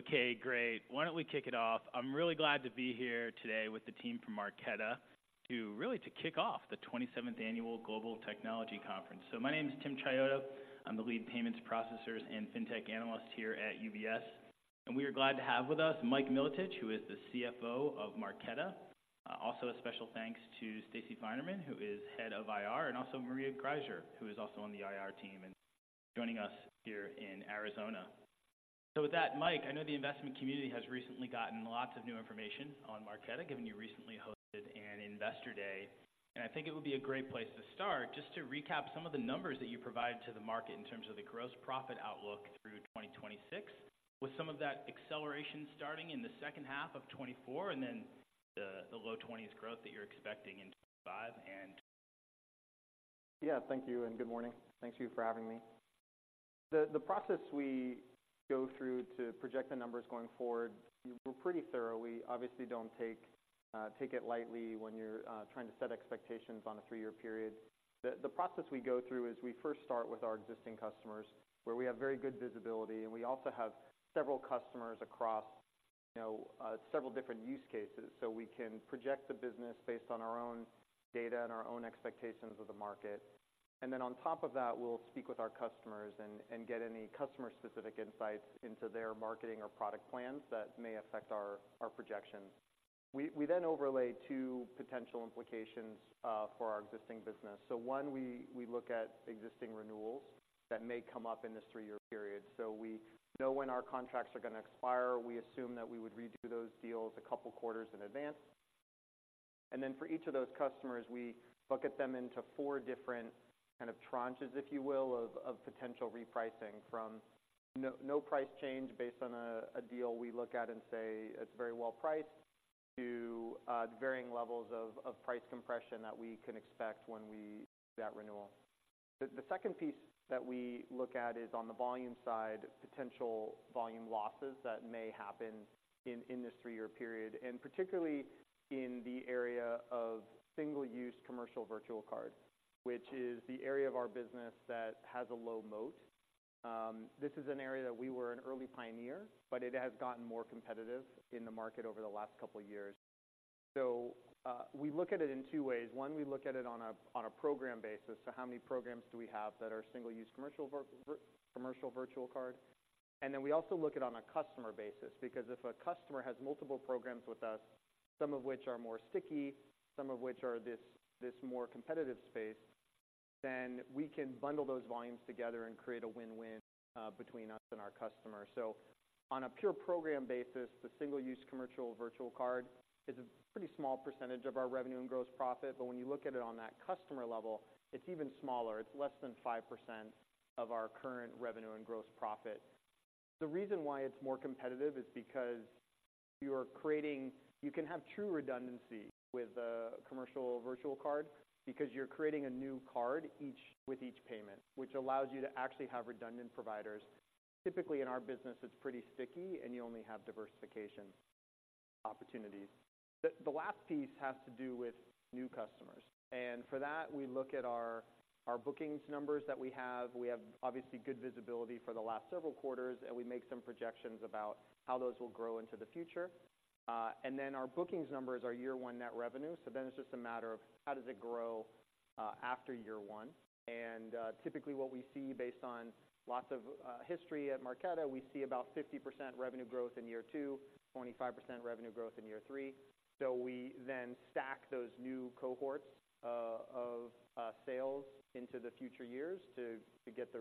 Okay, great. Why don't we kick it off? I'm really glad to be here today with the team from Marqeta to really to kick off the 27th Annual Global Technology Conference. So my name is Tim Chiodo. I'm the lead Payments Processors and FinTech analyst here at UBS, and we are glad to have with us Mike Milotich, who is the CFO of Marqeta. Also a special thanks to Stacey Finerman, who is head of IR, and also Maria Graizer, who is also on the IR team and joining us here in Arizona. So with that, Mike, I know the investment community has recently gotten lots of new information on Marqeta, given you recently hosted an Investor Day. And I think it would be a great place to start, just to recap some of the numbers that you provided to the market in terms of the gross profit outlook through 2026, with some of that acceleration starting in the second half of 2024, and then the, the low-20s growth that you're expecting in 2025 and- Yeah, thank you and good morning. Thank you for having me. The process we go through to project the numbers going forward, we're pretty thorough. We obviously don't take it lightly when you're trying to set expectations on a three-year period. The process we go through is we first start with our existing customers, where we have very good visibility, and we also have several customers across, you know, several different use cases. So we can project the business based on our own data and our own expectations of the market. And then on top of that, we'll speak with our customers and get any customer-specific insights into their marketing or product plans that may affect our projections. We then overlay two potential implications for our existing business. So one, we look at existing renewals that may come up in this three-year period. So we know when our contracts are going to expire. We assume that we would redo those deals a couple quarters in advance. And then for each of those customers, we bucket them into four different kind of tranches, if you will, of potential repricing from no price change based on a deal we look at and say it's very well priced to varying levels of price compression that we can expect when we get renewal. The second piece that we look at is on the volume side, potential volume losses that may happen in this three-year period, and particularly in the area of single-use commercial virtual card, which is the area of our business that has a low moat. This is an area that we were an early pioneer, but it has gotten more competitive in the market over the last couple of years. So, we look at it in two ways. One, we look at it on a program basis. So how many programs do we have that are single-use commercial virtual card? And then we also look at on a customer basis, because if a customer has multiple programs with us, some of which are more sticky, some of which are this more competitive space, then we can bundle those volumes together and create a win-win between us and our customer. So on a pure program basis, the single-use commercial virtual card is a pretty small percentage of our revenue and gross profit, but when you look at it on that customer level, it's even smaller. It's less than 5% of our current revenue and gross profit. The reason why it's more competitive is because you are creating... You can have true redundancy with a commercial virtual card because you're creating a new card each, with each payment, which allows you to actually have redundant providers. Typically in our business, it's pretty sticky and you only have diversification opportunities. The last piece has to do with new customers, and for that, we look at our bookings numbers that we have. We have obviously good visibility for the last several quarters, and we make some projections about how those will grow into the future. And then our bookings numbers are year one net revenue, so then it's just a matter of how does it grow after year one. Typically what we see based on lots of history at Marqeta, we see about 50% revenue growth in year two, 25% revenue growth in year three. So we then stack those new cohorts of sales into the future years to get the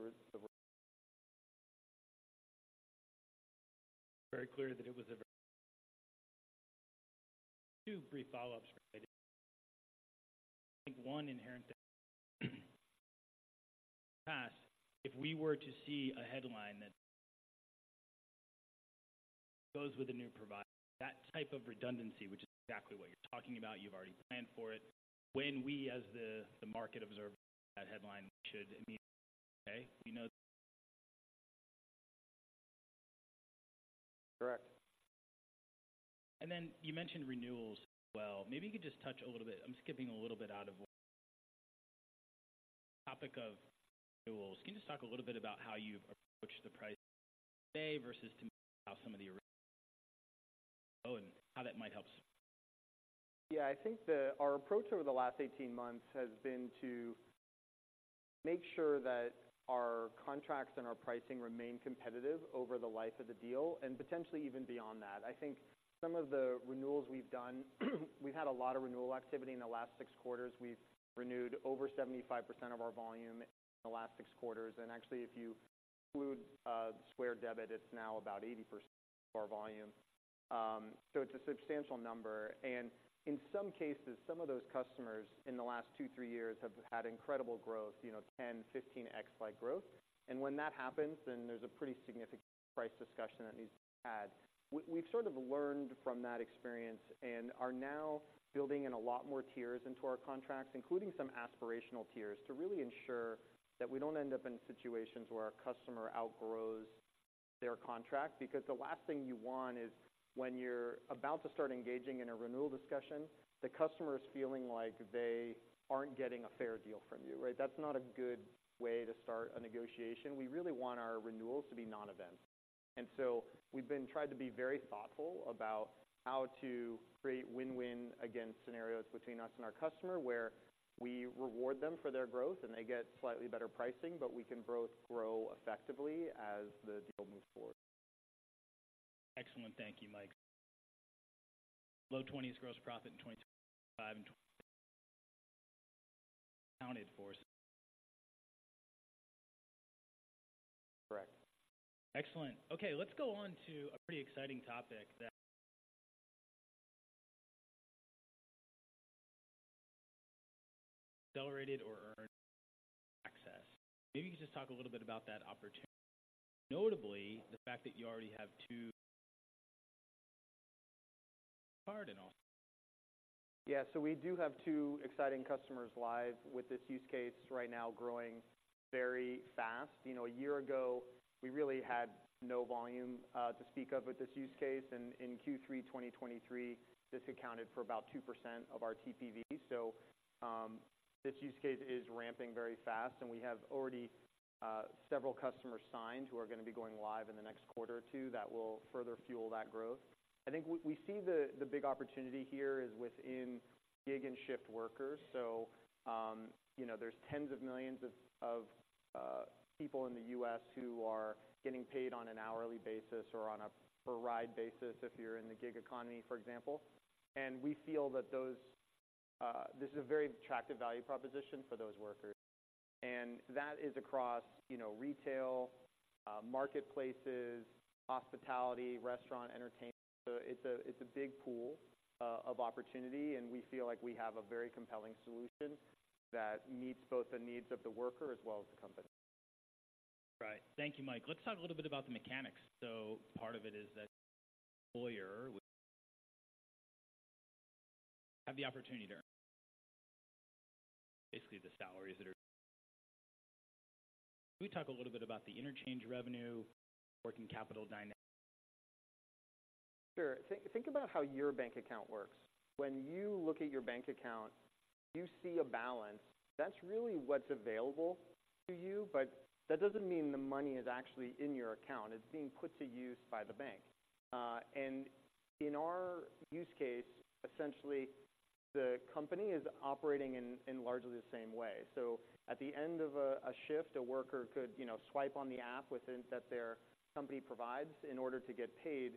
Two brief follow-ups. I think one inherent thing, past, if we were to see a headline that goes with a new provider, that type of redundancy, which is exactly what you're talking about, you've already planned for it. When we, as the market observer, that headline should mean, okay, we know. Correct. And then you mentioned renewals. Well. Maybe you could just touch a little bit - I'm skipping a little bit out of order. Topic of renewals. Can you just talk a little bit about how you've approached the price today versus to how some of the original and how that might help? Yeah, I think our approach over the last 18 months has been to make sure that our contracts and our pricing remain competitive over the life of the deal and potentially even beyond that. I think some of the renewals we've done. We've had a lot of renewal activity in the last six quarters. We've renewed over 75% of our volume in the last six quarters, and actually, if you include Square Debit, it's now about 80% of our volume. So it's a substantial number, and in some cases, some of those customers in the last two, three years have had incredible growth, you know, 10x, 15x-like growth. And when that happens, then there's a pretty significant price discussion that needs to be had. We've sort of learned from that experience and are now building in a lot more tiers into our contracts, including some aspirational tiers, to really ensure that we don't end up in situations where our customer outgrows their contract. Because the last thing you want is when you're about to start engaging in a renewal discussion, the customer is feeling like they aren't getting a fair deal from you, right? That's not a good way to start a negotiation. We really want our renewals to be non-events.... And so we've been trying to be very thoughtful about how to create win-win against scenarios between us and our customer, where we reward them for their growth, and they get slightly better pricing, but we can both grow effectively as the deal moves forward. Excellent. Thank you, Mike. Low 20s gross profit in 2025 and accounted for. Correct. Excellent. Okay, let's go on to a pretty exciting topic: earned wage access. Maybe you could just talk a little bit about that opportunity. Notably, the fact that you already have two cards and also. Yeah, so we do have two exciting customers live with this use case right now growing very fast. You know, a year ago, we really had no volume to speak of with this use case, and in Q3 2023, this accounted for about 2% of our TPV. So, this use case is ramping very fast, and we have already several customers signed who are going to be going live in the next quarter or two that will further fuel that growth. I think we see the big opportunity here is within gig and shift workers. So, you know, there's tens of millions of people in the U.S. who are getting paid on an hourly basis or on a per ride basis if you're in the gig economy, for example. We feel that those, this is a very attractive value proposition for those workers. That is across, you know, retail, marketplaces, hospitality, restaurant, entertainment. It's a big pool of opportunity, and we feel like we have a very compelling solution that meets both the needs of the worker as well as the company. Right. Thank you, Mike. Let's talk a little bit about the mechanics. So part of it is that employer... have the opportunity to earn. Basically, the salaries that are. Can we talk a little bit about the interchange revenue, working capital dynamic? Sure. Think about how your bank account works. When you look at your bank account, you see a balance. That's really what's available to you, but that doesn't mean the money is actually in your account. It's being put to use by the bank. And in our use case, essentially, the company is operating in largely the same way. So at the end of a shift, a worker could, you know, swipe on the app within that their company provides in order to get paid.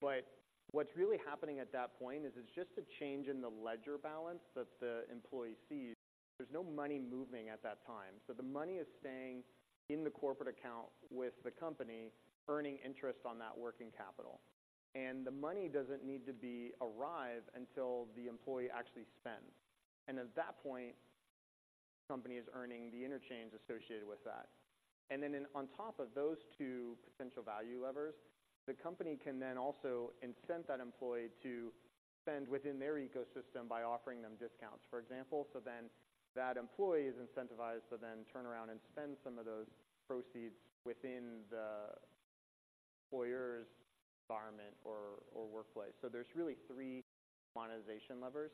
But what's really happening at that point is it's just a change in the ledger balance that the employee sees. There's no money moving at that time. So the money is staying in the corporate account with the company, earning interest on that working capital. And the money doesn't need to be arrived until the employee actually spends. At that point, the company is earning the interchange associated with that. Then on top of those two potential value levers, the company can then also incent that employee to spend within their ecosystem by offering them discounts, for example. So then that employee is incentivized to then turn around and spend some of those proceeds within the employer's environment or, or workplace. So there's really three monetization levers.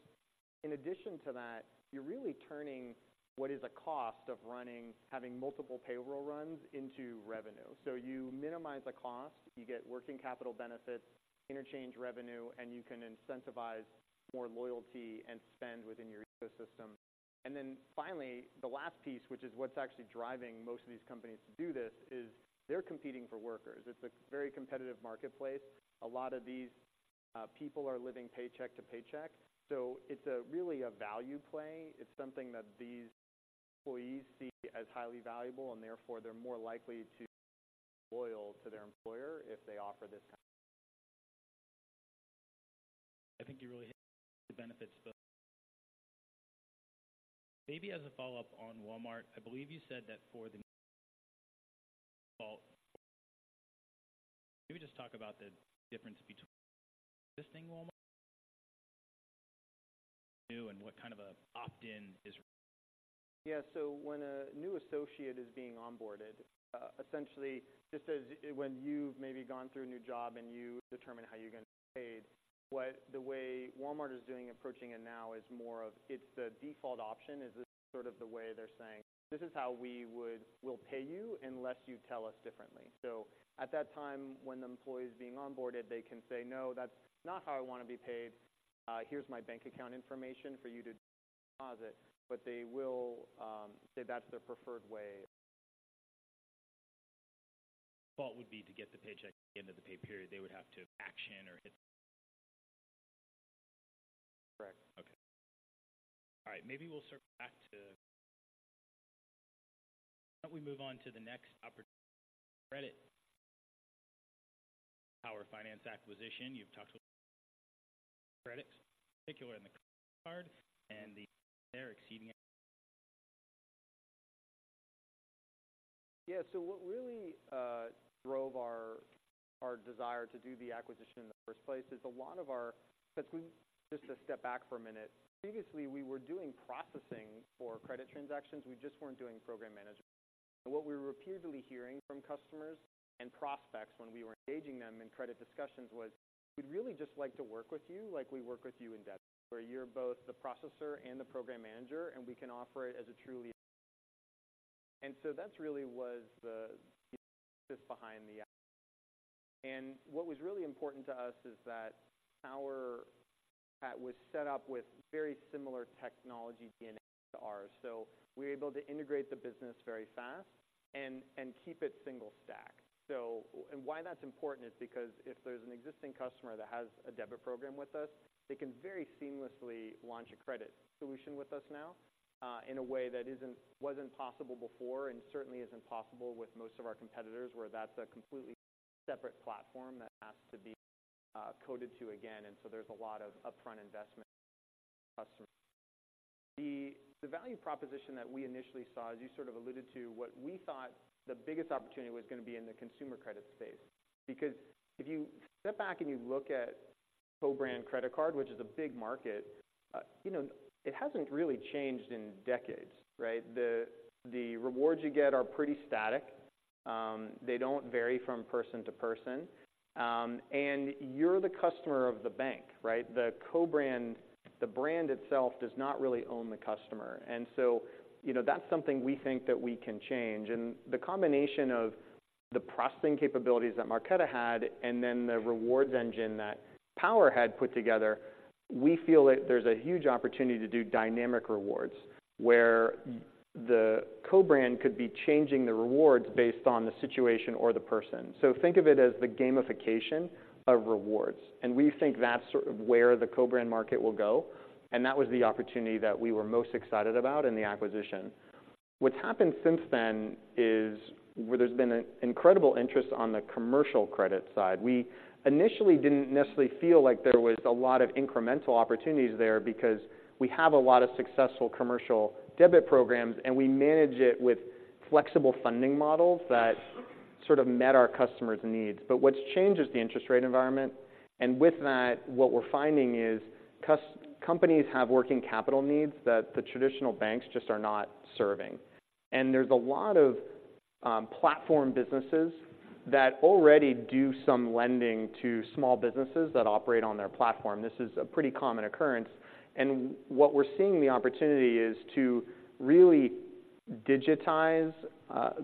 In addition to that, you're really turning what is a cost of running, having multiple payroll runs into revenue. So you minimize the cost, you get working capital benefits, interchange revenue, and you can incentivize more loyalty and spend within your ecosystem. And then finally, the last piece, which is what's actually driving most of these companies to do this, is they're competing for workers. It's a very competitive marketplace. A lot of these people are living paycheck to paycheck, so it's a really a value play. It's something that these employees see as highly valuable, and therefore they're more likely to be loyal to their employer if they offer this kind. I think you really hit the benefits. Maybe as a follow-up on Walmart, I believe you said that for the default, maybe just talk about the difference between existing Walmart, new and what kind of an opt-in is? Yeah, so when a new associate is being onboarded, essentially, just as when you've maybe gone through a new job and you determine how you're getting paid, what the way Walmart is doing, approaching it now is more of it's the default option. Is this sort of the way they're saying, "This is how we would, we'll pay you unless you tell us differently." So at that time, when the employee is being onboarded, they can say, "No, that's not how I want to be paid. Here's my bank account information for you to deposit." But they will say that's their preferred way. Default would be to get the paycheck at the end of the pay period. They would have to action or hit. Correct. Okay. All right, maybe we'll circle back to... How about we move on to the next opportunity, credit. Our finance acquisition. You've talked credit, particular in the card, and they're exceeding. Yeah. So what really drove our desire to do the acquisition in the first place is a lot of our—Just to step back for a minute. Previously, we were doing processing for credit transactions. We just weren't doing program management. What we were repeatedly hearing from customers and prospects when we were engaging them in credit discussions was, "We'd really just like to work with you, like we work with you in debit, where you're both the processor and the program manager, and we can offer it as a truly-..." And so that's really what was behind the acquisition. And what was really important to us is that Power was set up with very similar technology DNA to ours, so we were able to integrate the business very fast and keep it single stack. So and why that's important is because if there's an existing customer that has a debit program with us, they can very seamlessly launch a credit solution with us now, in a way that wasn't possible before and certainly isn't possible with most of our competitors, where that's a completely separate platform that has to be coded to again, and so there's a lot of upfront investment for the customer. The value proposition that we initially saw, as you sort of alluded to, what we thought the biggest opportunity was going to be in the consumer credit space. Because if you step back and you look at co-brand credit card, which is a big market, you know, it hasn't really changed in decades, right? The rewards you get are pretty static. They don't vary from person to person, and you're the customer of the bank, right? The co-brand, the brand itself does not really own the customer. And so, you know, that's something we think that we can change. And the combination of the processing capabilities that Marqeta had and then the rewards engine that Power had put together, we feel that there's a huge opportunity to do dynamic rewards, where the co-brand could be changing the rewards based on the situation or the person. So think of it as the gamification of rewards, and we think that's sort of where the co-brand market will go, and that was the opportunity that we were most excited about in the acquisition. What's happened since then is, where there's been an incredible interest on the commercial credit side. We initially didn't necessarily feel like there was a lot of incremental opportunities there because we have a lot of successful commercial debit programs, and we manage it with flexible funding models that sort of met our customers' needs. But what's changed is the interest rate environment, and with that, what we're finding is companies have working capital needs that the traditional banks just are not serving. And there's a lot of platform businesses that already do some lending to small businesses that operate on their platform. This is a pretty common occurrence, and what we're seeing the opportunity is to really digitize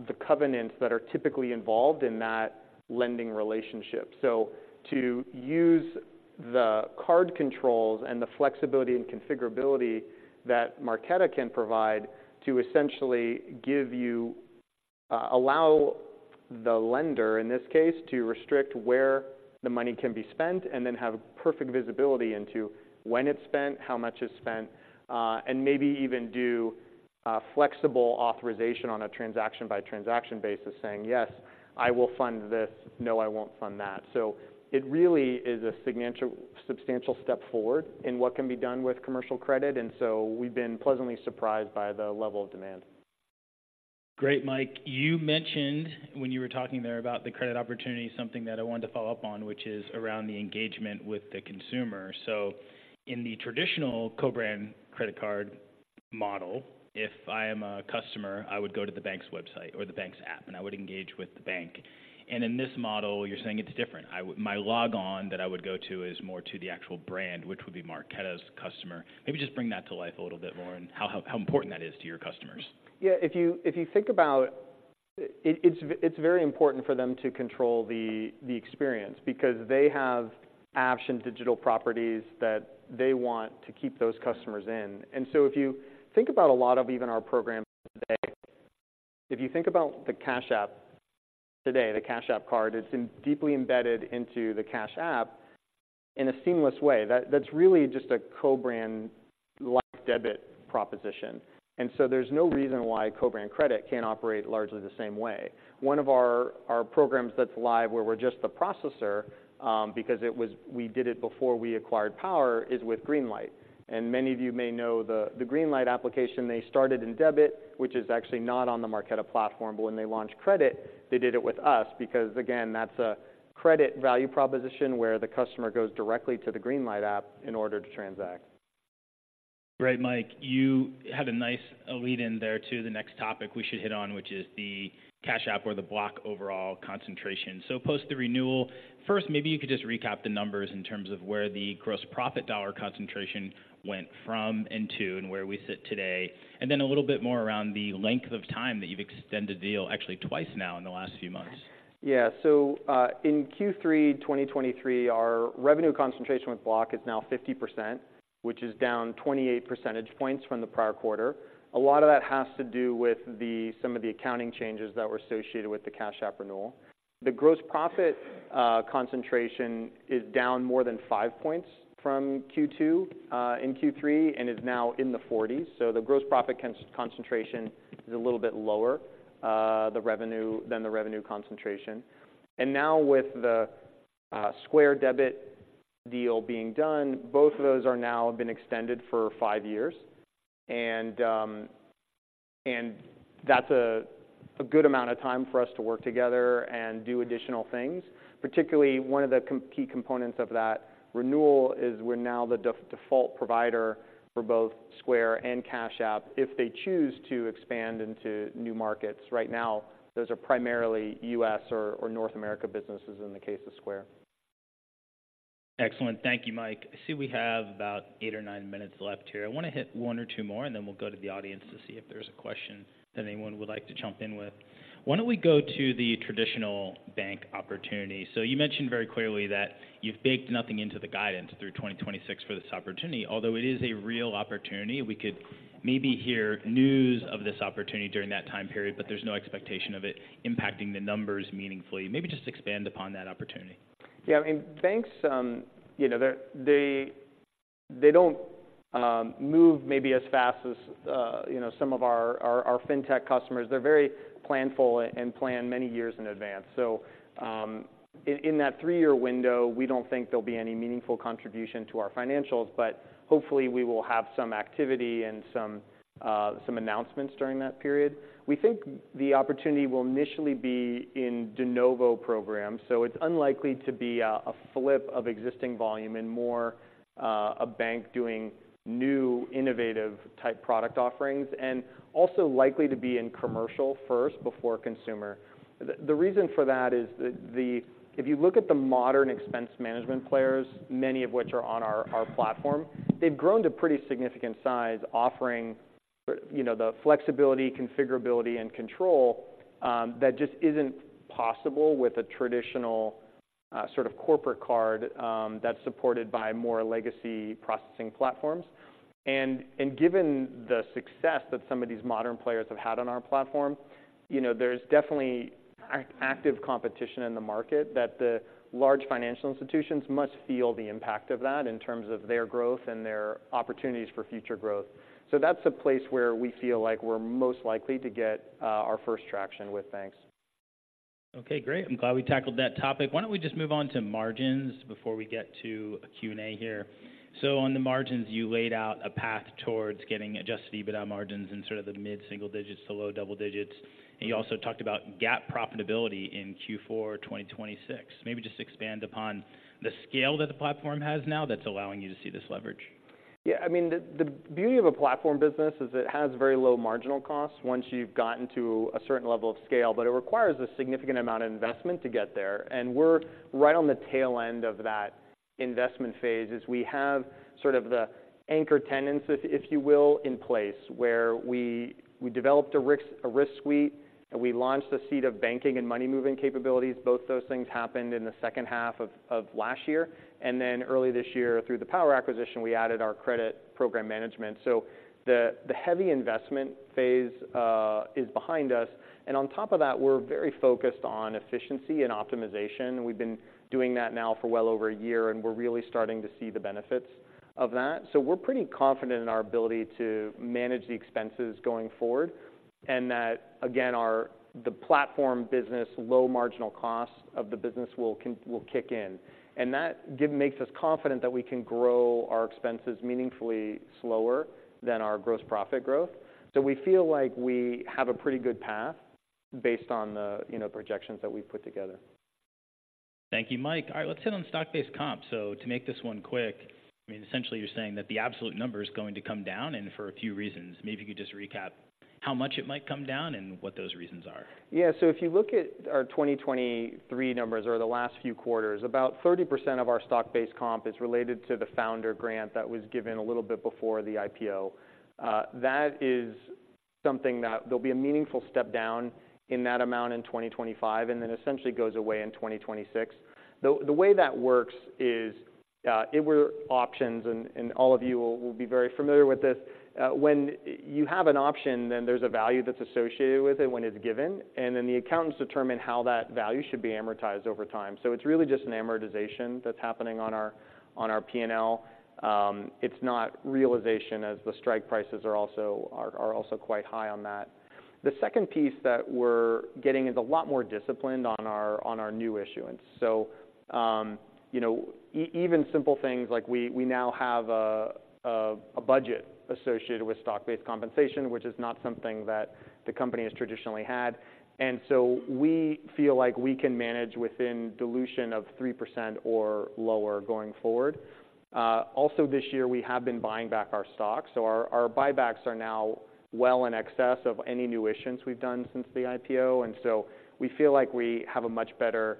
the covenants that are typically involved in that lending relationship. So to use the card controls and the flexibility and configurability that Marqeta can provide to essentially give you, allow the lender, in this case, to restrict where the money can be spent and then have perfect visibility into when it's spent, how much is spent, and maybe even do a flexible authorization on a transaction-by-transaction basis, saying, "Yes, I will fund this. No, I won't fund that." So it really is a substantial step forward in what can be done with commercial credit, and so we've been pleasantly surprised by the level of demand. Great, Mike. You mentioned when you were talking there about the credit opportunity, something that I wanted to follow up on, which is around the engagement with the consumer. So in the traditional co-brand credit card model, if I am a customer, I would go to the bank's website or the bank's app, and I would engage with the bank. And in this model, you're saying it's different. I would, my login that I would go to is more to the actual brand, which would be Marqeta's customer. Maybe just bring that to life a little bit more and how, how important that is to your customers. Yeah, if you think about... It's very important for them to control the experience because they have apps and digital properties that they want to keep those customers in. And so if you think about a lot of even our programs today, if you think about the Cash App today, the Cash App Card, it's deeply embedded into the Cash App in a seamless way. That's really just a co-brand like debit proposition. And so there's no reason why co-brand credit can't operate largely the same way. One of our programs that's live, where we're just the processor, because we did it before we acquired Power, is with Greenlight. And many of you may know the Greenlight application, they started in debit, which is actually not on the Marqeta platform. When they launched credit, they did it with us because, again, that's a credit value proposition where the customer goes directly to the Greenlight app in order to transact. Great, Mike. You had a nice lead in there to the next topic we should hit on, which is the Cash App or the Block overall concentration. So post the renewal, first, maybe you could just recap the numbers in terms of where the gross profit dollar concentration went from and to, and where we sit today, and then a little bit more around the length of time that you've extended the deal, actually twice now in the last few months. Yeah. So, in Q3 2023, our revenue concentration with Block is now 50%, which is down 28 percentage points from the prior quarter. A lot of that has to do with some of the accounting changes that were associated with the Cash App renewal. The gross profit concentration is down more than 5 points from Q2 in Q3 and is now in the 40s. So the gross profit concentration is a little bit lower than the revenue concentration. And now with the Square Debit deal being done, both of those are now have been extended for 5 years. And that's a good amount of time for us to work together and do additional things. Particularly, one of the key components of that renewal is we're now the default provider for both Square and Cash App if they choose to expand into new markets. Right now, those are primarily U.S. or, or North America businesses in the case of Square. Excellent. Thank you, Mike. I see we have about eight or 9-minutes left here. I want to hit one or two more, and then we'll go to the audience to see if there's a question that anyone would like to jump in with. Why don't we go to the traditional bank opportunity? So you mentioned very clearly that you've baked nothing into the guidance through 2026 for this opportunity, although it is a real opportunity. We could maybe hear news of this opportunity during that time period, but there's no expectation of it impacting the numbers meaningfully. Maybe just expand upon that opportunity. Yeah, I mean, banks, you know, they don't move maybe as fast as, you know, some of our fintech customers. They're very planful and plan many years in advance. So, in that three year window, we don't think there'll be any meaningful contribution to our financials, but hopefully, we will have some activity and some announcements during that period. We think the opportunity will initially be in de novo programs, so it's unlikely to be a flip of existing volume and more, a bank doing new, innovative type product offerings, and also likely to be in commercial first before consumer. The reason for that is if you look at the modern expense management players, many of which are on our platform, they've grown to pretty significant size, offering, you know, the flexibility, configurability, and control that just isn't possible with a traditional sort of corporate card that's supported by more legacy processing platforms. And given the success that some of these modern players have had on our platform, you know, there's definitely active competition in the market that the large financial institutions must feel the impact of that in terms of their growth and their opportunities for future growth. So that's a place where we feel like we're most likely to get our first traction with banks. Okay, great. I'm glad we tackled that topic. Why don't we just move on to margins before we get to a Q&A here? So on the margins, you laid out a path towards getting Adjusted EBITDA margins in sort of the mid-single digits to low double digits, and you also talked about GAAP profitability in Q4 2026. Maybe just expand upon the scale that the platform has now that's allowing you to see this leverage. Yeah, I mean, the beauty of a platform business is it has very low marginal costs once you've gotten to a certain level of scale, but it requires a significant amount of investment to get there. And we're right on the tail end of that investment phase, as we have sort of the anchor tenants, if you will, in place, where we developed a risk suite, and we launched the suite of banking and money-moving capabilities. Both those things happened in the second half of last year, and then early this year, through the Power acquisition, we added our credit program management. So the heavy investment phase is behind us, and on top of that, we're very focused on efficiency and optimization. We've been doing that now for well over a year, and we're really starting to see the benefits of that. So we're pretty confident in our ability to manage the expenses going forward, and that, again, our the platform business, low marginal costs of the business will kick in. And that makes us confident that we can grow our expenses meaningfully slower than our gross profit growth. So we feel like we have a pretty good path based on the, you know, projections that we've put together. Thank you, Mike. All right, let's hit on stock-based comp. So to make this one quick, I mean, essentially, you're saying that the absolute number is going to come down and for a few reasons. Maybe you could just recap how much it might come down and what those reasons are. Yeah. So if you look at our 2023 numbers or the last few quarters, about 30% of our stock-based comp is related to the founder grant that was given a little bit before the IPO. That is something that there'll be a meaningful step down in that amount in 2025, and then essentially goes away in 2026. The way that works is, it were options, and all of you will be very familiar with this. When you have an option, then there's a value that's associated with it when it's given, and then the accountants determine how that value should be amortized over time. So it's really just an amortization that's happening on our P&L. It's not realization, as the strike prices are also quite high on that. The second piece that we're getting is a lot more disciplined on our new issuance. So, you know, even simple things like we now have a budget associated with stock-based compensation, which is not something that the company has traditionally had. And so we feel like we can manage within dilution of 3% or lower going forward. Also this year, we have been buying back our stocks, so our buybacks are now well in excess of any new issuance we've done since the IPO, and so we feel like we have a much better,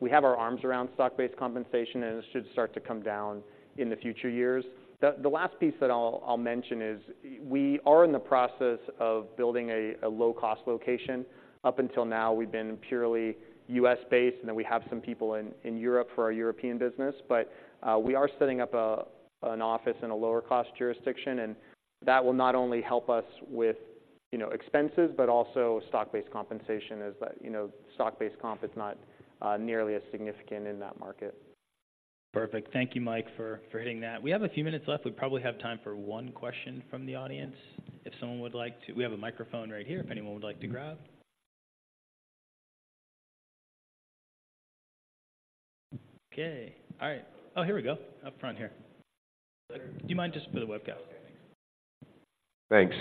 we have our arms around stock-based compensation, and it should start to come down in the future years. The last piece that I'll mention is we are in the process of building a low-cost location. Up until now, we've been purely U.S.-based, and then we have some people in Europe for our European business. But we are setting up an office in a lower-cost jurisdiction, and that will not only help us with, you know, expenses, but also stock-based compensation, as you know, stock-based comp is not nearly as significant in that market. Perfect. Thank you, Mike, for hitting that. We have a few minutes left. We probably have time for one question from the audience, if someone would like to. We have a microphone right here, if anyone would like to grab. Okay. All right. Oh, here we go. Up front here. Do you mind just for the webcast? Thanks.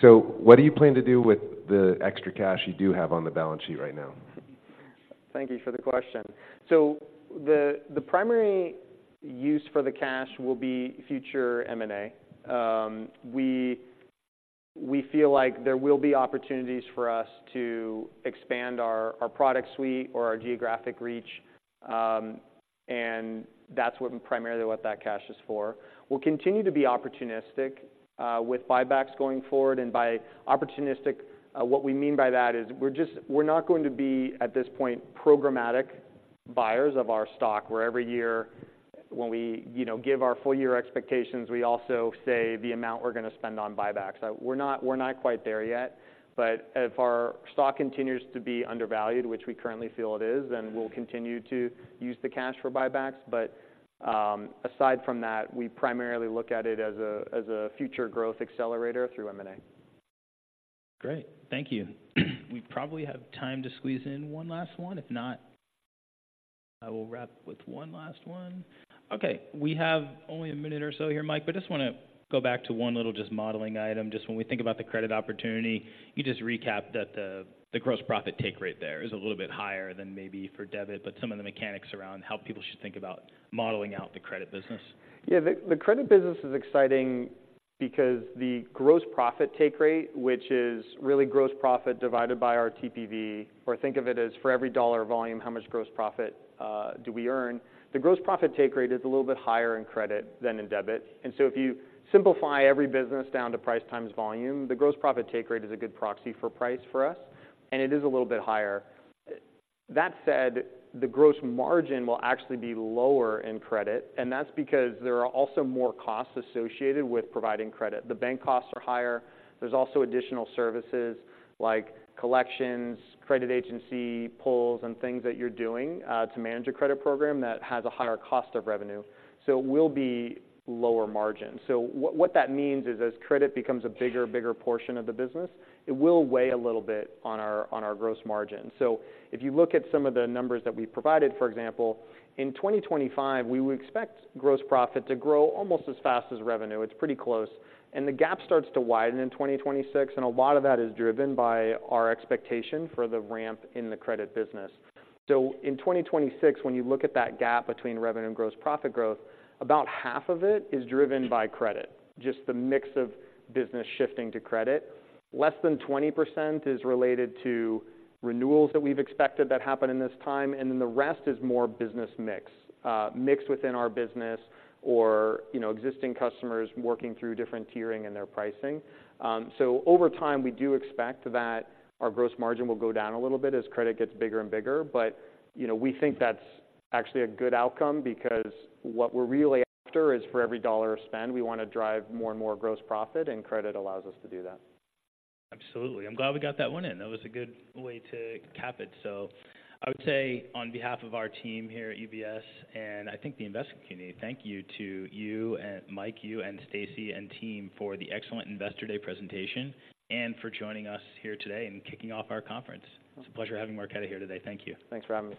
So what do you plan to do with the extra cash you do have on the balance sheet right now? Thank you for the question. So the primary use for the cash will be future M&A. We feel like there will be opportunities for us to expand our product suite or our geographic reach, and that's what primarily what that cash is for. We'll continue to be opportunistic with buybacks going forward, and by opportunistic, what we mean by that is we're just we're not going to be, at this point, programmatic buyers of our stock, where every year when we, you know, give our full year expectations, we also say the amount we're going to spend on buybacks. We're not quite there yet, but if our stock continues to be undervalued, which we currently feel it is, then we'll continue to use the cash for buybacks. But aside from that, we primarily look at it as a future growth accelerator through M&A. Great. Thank you. We probably have time to squeeze in one last one. If not, I will wrap with one last one. Okay, we have only a minute or so here, Mike, but just wanna go back to one little just modeling item, just when we think about the credit opportunity. You just recapped that the, the gross profit take rate there is a little bit higher than maybe for debit, but some of the mechanics around how people should think about modeling out the credit business. Yeah, the credit business is exciting because the gross profit take rate, which is really gross profit divided by our TPV, or think of it as, for every dollar volume, how much gross profit do we earn? The gross profit take rate is a little bit higher in credit than in debit. And so if you simplify every business down to price times volume, the gross profit take rate is a good proxy for price for us, and it is a little bit higher. That said, the gross margin will actually be lower in credit, and that's because there are also more costs associated with providing credit. The bank costs are higher. There's also additional services like collections, credit agency pulls, and things that you're doing to manage a credit program that has a higher cost of revenue, so it will be lower margin. So what that means is, as credit becomes a bigger, bigger portion of the business, it will weigh a little bit on our, on our gross margin. So if you look at some of the numbers that we provided, for example, in 2025, we would expect gross profit to grow almost as fast as revenue. It's pretty close, and the gap starts to widen in 2026, and a lot of that is driven by our expectation for the ramp in the credit business. So in 2026, when you look at that gap between revenue and gross profit growth, about half of it is driven by credit. Just the mix of business shifting to credit. Less than 20% is related to renewals that we've expected that happen in this time, and then the rest is more business mix. Mix within our business or, you know, existing customers working through different tiering in their pricing. So over time, we do expect that our gross margin will go down a little bit as credit gets bigger and bigger, but, you know, we think that's actually a good outcome because what we're really after is, for every dollar spent, we wanna drive more and more gross profit, and credit allows us to do that. Absolutely. I'm glad we got that one in. That was a good way to cap it. So I would say on behalf of our team here at UBS and I think the investing community, thank you to you and Mike, you and Stacey and team, for the excellent Investor Day presentation, and for joining us here today and kicking off our conference. It's a pleasure having Marqeta here today. Thank you. Thanks for having me.